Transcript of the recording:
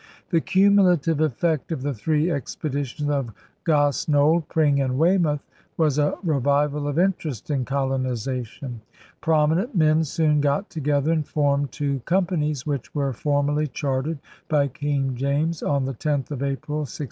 The cumulative effect of the three expeditions of Gosnold, Pring, and Weymouth was a revival of interest in colonization. Prominent men soon got together and formed two companies which were formally chartered by King James on the 10th of April, 1606.